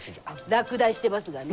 落第してますがね。